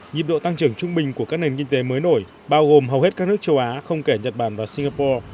nhịp độ tăng trưởng trung bình của các nền kinh tế mới nổi bao gồm hầu hết các nước châu á không kể nhật bản và singapore